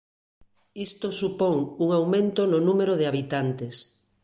Isto supón un aumento no número de habitantes.